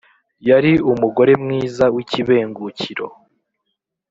yari umugore mwiza w’ikibengukiro.